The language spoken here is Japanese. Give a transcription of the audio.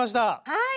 はい！